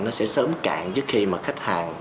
nó sẽ sớm cạn trước khi mà khách hàng